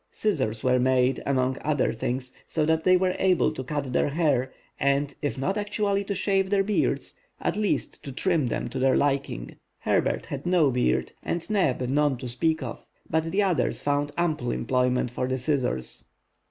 Scissors were made, among other things, so that they were able to cut their hair, and, if not actually to shave their beards, at least to trim them to their liking. Herbert had no beard, and Neb none to speak of, but the others found ample employment for the scissors.